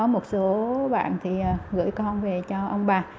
một số bạn thì gửi con về cho ông bà